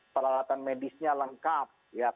peralatan medisnya lengkap